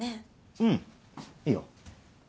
うんいいよ。